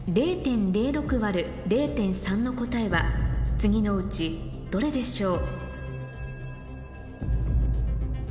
次のうちどれでしょう？